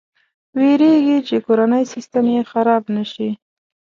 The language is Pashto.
ویرېږي چې کورنی سیسټم یې خراب نه شي.